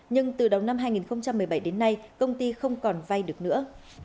nhưng từ đầu năm hai nghìn một mươi bảy đến nay công ty không còn vay được nữa